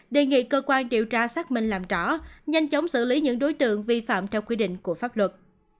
đề nghị cơ quan điều tra xác minh làm rõ nhanh chóng xử lý những đối tượng vi phạm theo quy định của pháp luật